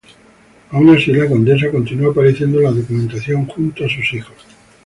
Aun así, la condesa continuó apareciendo en la documentación junto a sus hijos.